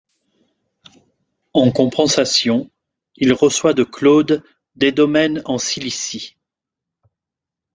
En compensation, il reçoit de Claude des domaines en Cilicie.